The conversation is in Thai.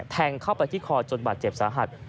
แทงเข้าไปที่คอจนบาดเจ็บสาหัส